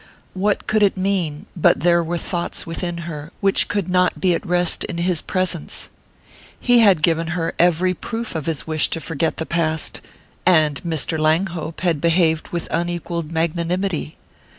What could it mean but that there were thoughts within her which could not be at rest in his presence? He had given her every proof of his wish to forget the past, and Mr. Langhope had behaved with unequalled magnanimity.